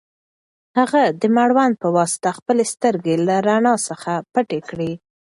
هغې د مړوند په واسطه خپلې سترګې له رڼا څخه پټې کړې.